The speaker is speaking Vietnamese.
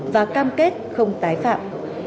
và cam kết không tái phạm